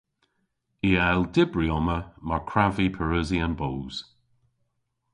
I a yll dybri omma mar kwrav vy pareusi an boos.